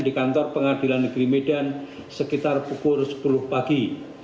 di kantor pengadilan negeri medan sekitar pukul sepuluh pagi